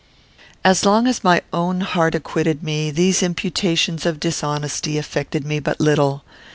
As long as my own heart acquitted me, these imputations of dishonesty affected me but little.